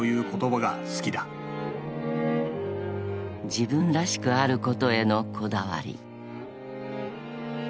［自分らしくあることへのこだわり］